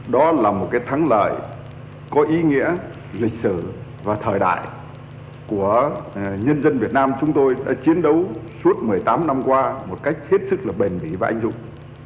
đó là một thắng lợi có ý nghĩa lịch sử và thời đại của nhân dân việt nam chúng tôi đã chiến đấu suốt một mươi tám năm qua một cách hết sức là bền bỉ và anh dũng